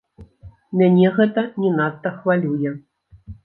Мяне гэта не надта хвалюе.